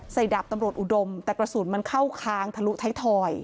ดาบตำรวจอุดมแต่กระสุนมันเข้าคางทะลุท้ายทอย